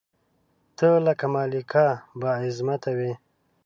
ته لکه مالکه بااعظمته وې